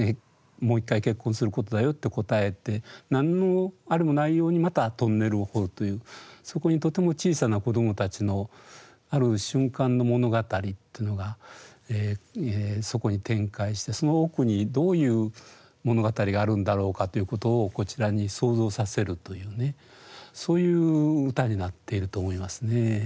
「もう一回結婚することだよ」って答えて何のあれもないようにまたトンネルを掘るというそこにとても小さな子どもたちのある瞬間の物語ってのがそこに展開してその奥にどういう物語があるんだろうかということをそういう歌になっていると思いますね。